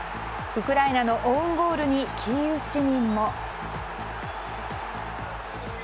ウクライナのオウンゴールにキーウ市民も。